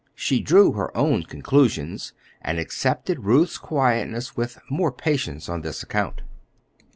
She drew her own conclusions, and accepted Ruth's quietness with more patience on this account.